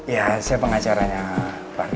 ya saya pengacaranya fahri